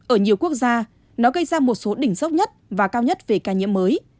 ở nhiều quốc gia nó gây ra một số đỉnh dốc nhất và cao nhất về ca nhiễm mới